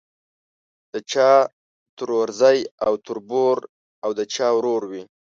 د چا ترورزی او تربور او د چا ورور وي.